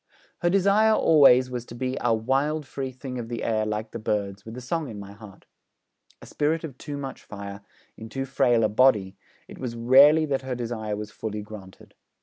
Her desire, always, was to be 'a wild free thing of the air like the birds, with a song in my heart.' A spirit of too much fire in too frail a body, it was rarely that her desire was fully granted.